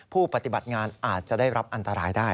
ผู้ปฏิบัติงานอาจจะได้รับอันตรายได้